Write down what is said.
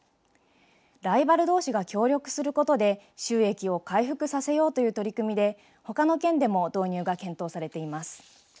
ライバルどうしが協力することで、収益を回復させようという取り組みで、ほかの県でも導入が検討されています。